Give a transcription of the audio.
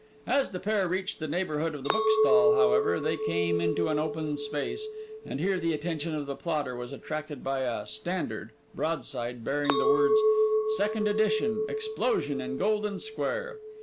As the pair reached the neighbourhood of the bookstall, however, they came into an open space; and here the attention of the plotter was attracted by a Standard broadside bearing the words: 'Second Edition: Explosion in Golden Square.